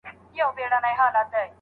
زما پاچا زما له خياله نه وتلی